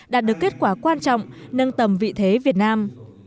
đạt được kết quả quan trọng nâng tầm vị thế việt nam